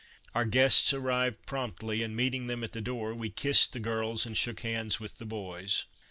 Our guests arrived promptly, and meeting them at the door, we kissed the girls and shook hands with the boys.